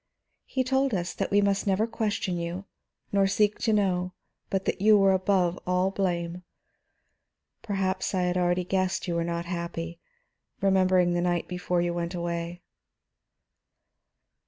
He told us that we must never question you nor seek to know, but that you were above all blame. Perhaps I had already guessed you were not happy, remembering the night before you went away."